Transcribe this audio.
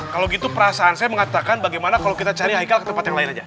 kalau gitu perasaan saya mengatakan bagaimana kalau kita cari haikal ke tempat yang lain aja